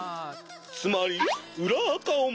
つまり。